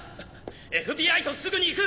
ＦＢＩとすぐに行く！